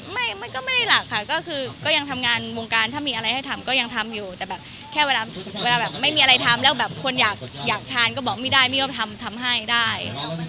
มันก็ไม่ได้หลักค่ะก็คือก็ยังทำงานวงการถ้ามีอะไรให้ทำก็ยังทำอยู่แต่แบบแค่เวลาแบบไม่มีอะไรทำแล้วแบบคนอยากทานก็บอกไม่ได้มีก็ทำทำให้ได้